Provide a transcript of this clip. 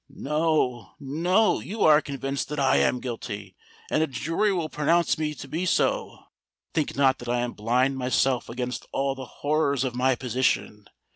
"No—no: you are convinced that I am guilty—and a jury will pronounce me to be so! Think not that I blind myself against all the horrors of my position!